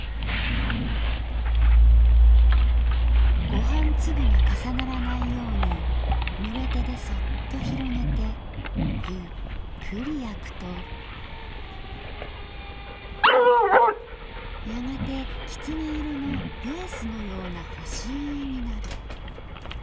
「ご飯粒が重ならないように濡れ手でそっと拡げてゆっくり焼くとやがて狐色のレースのような干飯になる」。